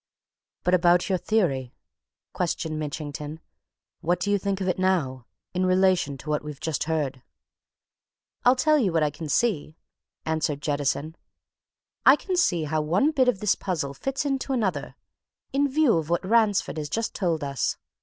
"But about your theory?" questioned Mitchington. "What do you think of it now in relation to what we've just heard?" "I'll tell you what I can see," answered Jettison. "I can see how one bit of this puzzle fits into another in view of what Ransford has just told us.